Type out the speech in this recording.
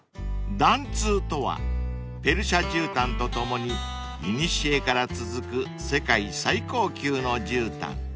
［緞通とはペルシャじゅうたんとともにいにしえから続く世界最高級のじゅうたん］